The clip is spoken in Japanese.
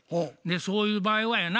そういう場合はやな